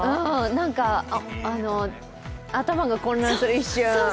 なんか頭が混乱する、一瞬。